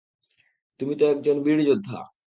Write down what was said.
তুমিতো একজন বীর যোদ্ধা।